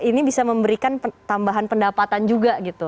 jadi ini bisa memberikan tambahan pendapatan juga gitu